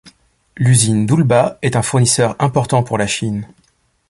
L'usine d'Oulba est un fournisseur important pour la Chine.